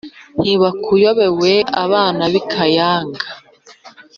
ntibakuyobewe abana b'i kayanga,